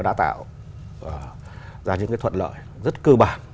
đã tạo ra những thuận lợi rất cơ bản